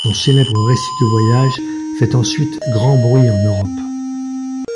Son célèbre récit de voyage fait ensuite grand bruit en Europe.